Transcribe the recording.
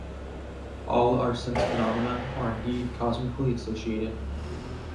All our sense-phenomena are indeed cosmically associated.